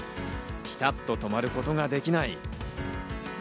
ピタッと止まることができない。